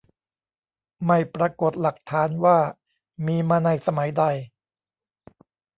ไม่ปรากฏหลักฐานว่ามีมาในสมัยใด